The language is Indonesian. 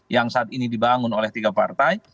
yang saat ini dibangun oleh tiga partai